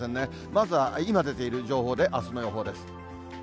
まずは今出ている情報であすの予報です。